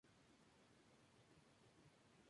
Además es de muy fácil manejo, volando y aterrizando.